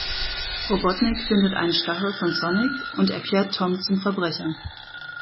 Robotnik findet einen Stachel von Sonic und erklärt Tom zum Verbrecher.